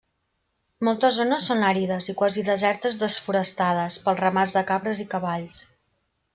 Moltes zones són àrides i quasi desertes desforestades pels ramats de cabres i cavalls.